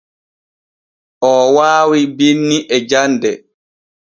Oo waawi binni e jande.